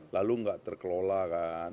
lalu nggak terkelola kan